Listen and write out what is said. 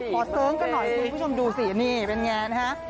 เสิร์งกันหน่อยคุณผู้ชมดูสินี่เป็นไงนะฮะ